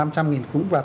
cũng là tối đa